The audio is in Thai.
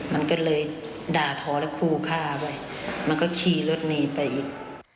มันก็เลยด่าท้อแล้วคู่ฆ่าไว้มันก็ขี่รถหนีไปอีก